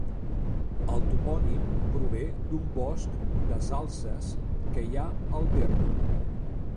El topònim prové d'un bosc de salzes que hi ha al terme.